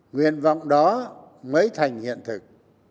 nguyện vọng đó mới thành hiện thực